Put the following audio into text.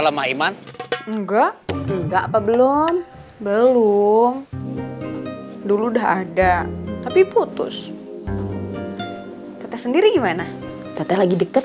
siala maiman enggak enggak apa belum belum dulu udah ada tapi putus tetes sendiri gimana tetelah di deket